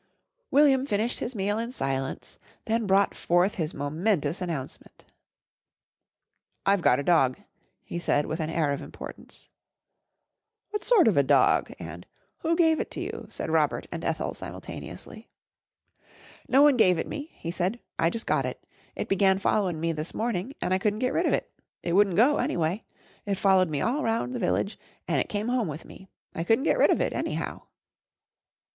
William finished his meal in silence, then brought forth his momentous announcement. "I've gotter dog," he said with an air of importance. "What sort of a dog?" and "Who gave it to you?" said Robert and Ethel simultaneously. "No one gave it me," he said. "I jus' got it. It began following me this morning an' I couldn't get rid of it. It wouldn't go, anyway. It followed me all round the village an' it came home with me. I couldn't get rid of it, anyhow."